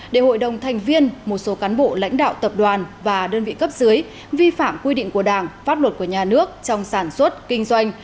để hội đồng thành viên một số cán bộ lãnh đạo tập đoàn và đơn vị cấp dưới vi phạm quy định của đảng pháp luật của nhà nước trong sản xuất kinh doanh